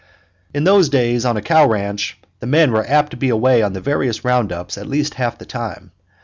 In those days on a cow ranch the men were apt to be away on the various round ups at least half the time.